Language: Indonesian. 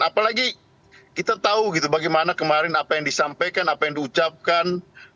apalagi kita tahu gitu bagaimana kemarin apa yang disampaikan apa yang diucapkan